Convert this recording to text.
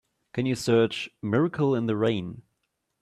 Can you search Miracle in the Rain?